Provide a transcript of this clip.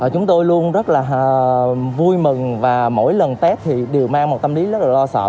chúng tôi luôn rất là vui mừng và mỗi lần tết thì đều mang một tâm lý rất là lo sợ